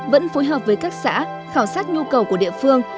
vẫn phối hợp với các xã khảo sát nhu cầu của địa phương